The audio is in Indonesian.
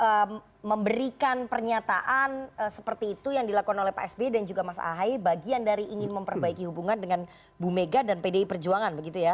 bagaimana memberikan pernyataan seperti itu yang dilakukan oleh pak sby dan juga mas ahai bagian dari ingin memperbaiki hubungan dengan bu mega dan pdi perjuangan begitu ya